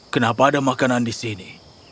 kenapa ada makanan di sini